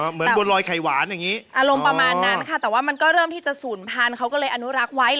เหมือนบนรอยไข่หวานอย่างนี้อารมณ์ประมาณนั้นค่ะแต่ว่ามันก็เริ่มที่จะศูนย์พันธุ์เขาก็เลยอนุรักษ์ไว้